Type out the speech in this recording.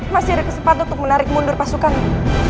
masih ada kesempatan untuk menarik mundur pasukannya